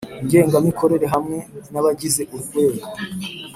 Ngengamikorere hamwe n abagize urwego